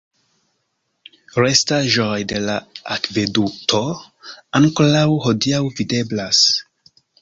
Restaĵoj de la akvedukto ankoraŭ hodiaŭ videblas.